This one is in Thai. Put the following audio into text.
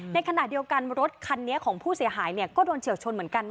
ในขณะเดียวกันรถคันนี้ของผู้เสียหายก็โดนเฉียวชนเหมือนกัน